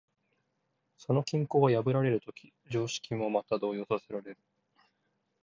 その均衡が破られるとき、常識もまた動揺させられる。